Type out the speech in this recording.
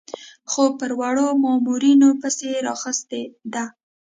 خو پر وړو مامورینو پسې یې راخیستې ده.